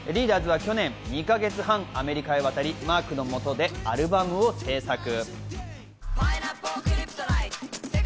リーダーズは去年、２か月半、アメリカへ渡り、マークのもとでアルバムを制作。